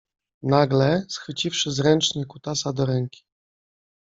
Nagle, schwyciwszy zręcznie kutasa do ręki